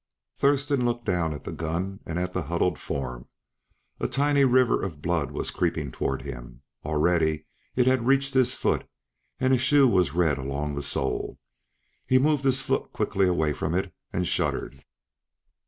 Thurston looked down at the gun, and at the huddled form. A tiny river of blood was creeping toward him. Already it had reached his foot, and his shoe was red along the sole. He moved his foot quickly away from it, and shuddered.